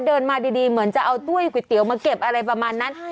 เดินมาดีเหมือนจะเอาตุ้ยก๋วยเตี๋ยวมาเก็บอะไรประมาณนั้น